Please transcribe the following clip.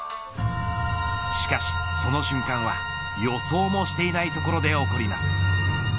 しかし、その瞬間は予想もしていないところで起こります。